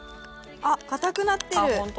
あっ硬くなってる。